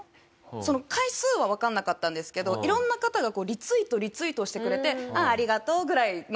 その回数はわかんなかったんですけどいろんな方がリツイートリツイートをしてくれてああありがとうぐらいの。